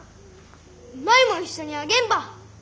舞も一緒にあげんば。